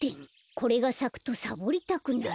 これがさくとサボりたくなる。